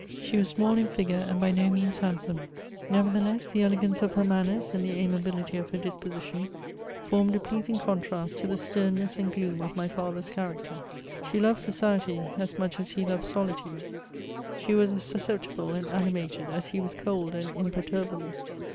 She was small in figure, and by no means handsome. Nevertheless the elegance of her manners and the amiability of her disposi tion formed a pleasing contrast to the st^*nness and ^oom of my father's character. She loved society as much as he loved solitude. She was as susceptible and animated as he was cold and imperturbable.